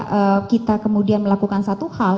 ketika kita kemudian melakukan satu hal